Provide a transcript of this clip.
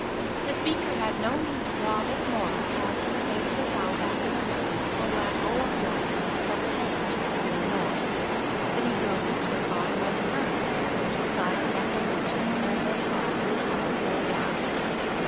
"'" The speaker had no need to draw this moral as to the fate of the South after the war, for black or white, from a Case in Illinois; the negro minstrel song was current then which supplied the apt allusion, and was called "Root, Hog, or Die."